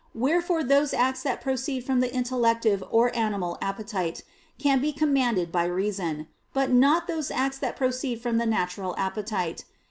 Wherefore those acts that proceed from the intellective or the animal appetite, can be commanded by reason: but not those acts that proceed from the natural appetite.